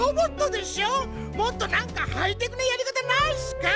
もっとなんかハイテクなやりかたないっすか？